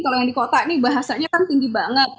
kalau yang di kota ini bahasanya kan tinggi banget